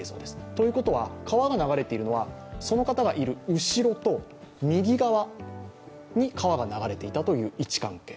ということは、川が流れているのはその方がいる後ろと右側に川が流れていたという位置関係。